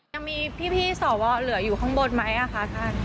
ยังมีพี่สวเหลืออยู่ข้างบนไหมคะท่าน